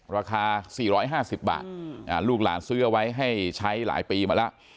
ราคา๔๕๐บาทลูกหลานซื้อเอาไว้ให้ใช้หลายปีมาแล้ว